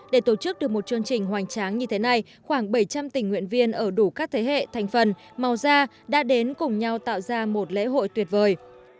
để tổ chức được một chương trình hoành tráng như thế này khoảng bảy trăm linh tình nguyện viên ở đủ các thế hệ thành phần màu da đã đến cùng nhau tạo ra một lễ hội tuyệt vời